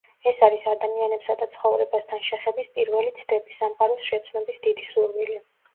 ეს არის ადამიანებსა და ცხოვრებასთან შეხების პირველი ცდები, სამყაროს შეცნობის დიდი სურვილი.